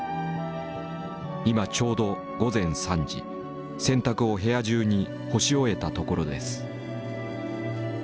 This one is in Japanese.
今ちょうど午前３時洗濯を部屋中に干し終えたところです。